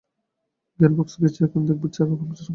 Gearbox গেছে, এখন দেখবি চাকা পাংচার হবে।